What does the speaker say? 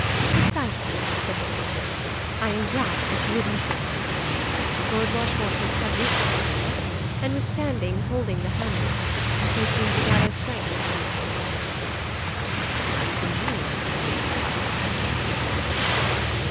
"Precisely," said his sister. "I am glad that you admit it." Lord Marshmoreton had reached the door, and was standing holding the handle. He seemed to gather strength from its support. "I've been meaning to tell you about that," he said.